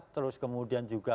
terus kemudian juga